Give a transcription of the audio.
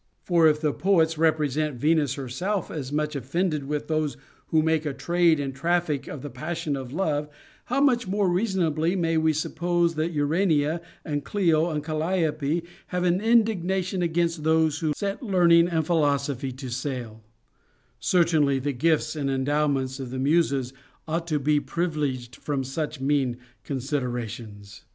For if the poets represent Venus herself as much offended with those who make a trade and traffic of the passion of love, how much more reasonably may we suppose that Urania and Clio and Calliope have an indignation against those who set learning and philosophy to sale \ Certainly the gifts and endowments of the Muses ought to be privileged from such mean considerations.